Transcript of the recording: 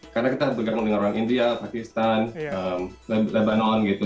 karena kita bergabung dengan orang india pakistan lebanon gitu